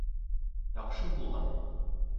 Яҡшы булған.